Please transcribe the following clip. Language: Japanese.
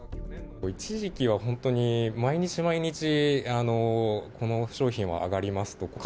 一時期は本当に、毎日、毎日、この商品は上がりますと。